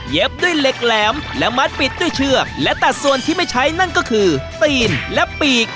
ด้วยเหล็กแหลมและมัดปิดด้วยเชือกและตัดส่วนที่ไม่ใช้นั่นก็คือตีนและปีก